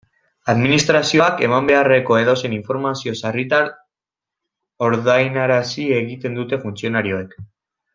Administrazioak eman beharreko edozein informazio sarritan ordainarazi egiten dute funtzionarioek.